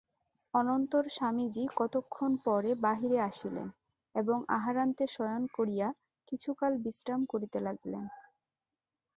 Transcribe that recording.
অনন্তর স্বামীজী কতক্ষণ পরে বাহিরে আসিলেন এবং আহারান্তে শয়ন করিয়া কিছুকাল বিশ্রাম করিতে লাগিলেন।